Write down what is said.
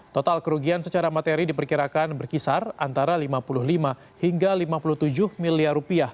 total kerugian secara materi diperkirakan berkisar antara rp lima puluh lima hingga rp lima puluh tujuh miliar